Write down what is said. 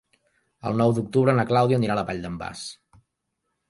El nou d'octubre na Clàudia anirà a la Vall d'en Bas.